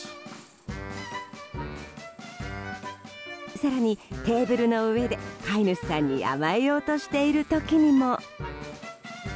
更に、テーブルの上で飼い主さんに甘えようとしている時にも。